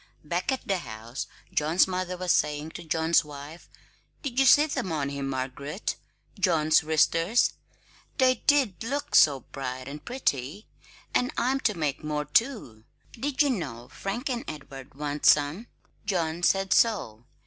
Back at the house John's mother was saying to John's wife: "Did you see them on him, Margaret? John's wristers? They did look so bright and pretty! And I'm to make more, too; did you know? Frank and Edward want some; John said so.